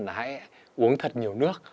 hãy uống thật nhiều nước